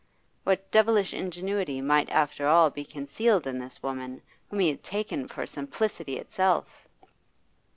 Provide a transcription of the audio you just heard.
What devilish ingenuity might after all be concealed in this woman, whom he had taken for simplicity itself!